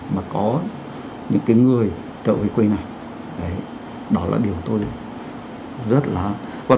là cũng có thể dễ lý giải đúng không ạ